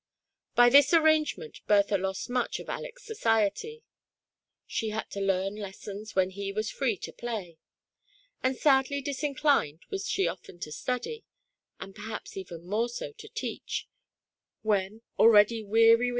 By this arrangement Bertha lost much of Aleck's society ; she had to learn lessons when he was free to play, and sadly disinclined was she often to study, ajid perhaps even more so to teach, when already weary with THE PRISONER IN DARKNESS.